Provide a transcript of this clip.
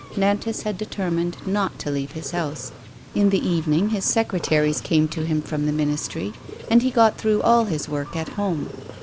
Nantas had determined not to leave his house. In the evening his secretaries came to him from the ministry, and he got through all his work at home.